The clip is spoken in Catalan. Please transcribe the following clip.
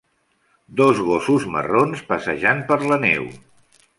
Dos gossos marrons passejant per la neu.